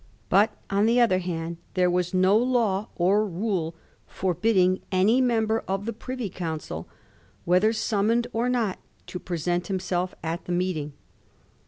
But, on the other hand, there was no law or rule forbidding any member of the Privy Coimcil, whether summoned or not, to present himself at the meeting.